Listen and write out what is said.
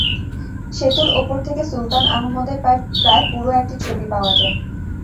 সেতুর ওপর থেকে সুলতান আহম্মদের প্রায় পুরো একটি ছবি পাওয়া যায়।